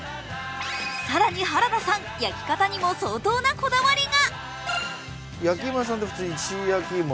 更に原田さん、焼き方にも相当なこだわりが。